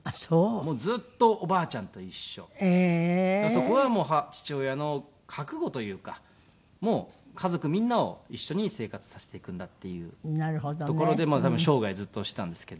そこは父親の覚悟というかもう家族みんなを一緒に生活させていくんだっていうところで生涯ずっとしていたんですけど。